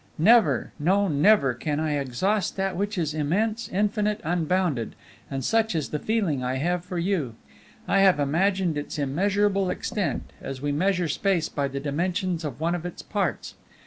"Never, no, never, can I exhaust that which is immense, infinite, unbounded and such is the feeling I have for you; I have imagined its immeasurable extent, as we measure space by the dimensions of one of its parts.